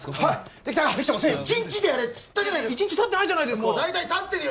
１日でやれっつったじゃないか１日たってないじゃないですかもう大体たってるよ